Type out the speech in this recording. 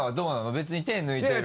別に手抜いてる。